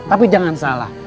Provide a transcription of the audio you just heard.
tapi jangan salah